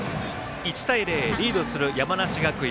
１対０、リードする山梨学院。